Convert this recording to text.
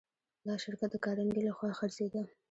دا شرکت د کارنګي لهخوا خرڅېده